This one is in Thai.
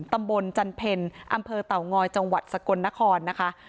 ตำบลจันเพ็ญอำเภอเต่างอยจังหวัดสกลนครนะคะ